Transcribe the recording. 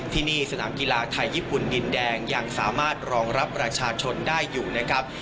ที่นี่สนามกีฬาไทยญี่ปุ่นดินแดงยังสามารถรองรับประชาชนได้อยู่นะครับ